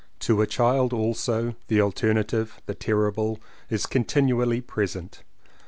To a child also, the alternative — the terrible — is continually present.